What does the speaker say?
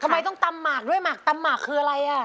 ทำไมต้องตำหมากด้วยตำหมากคืออะไร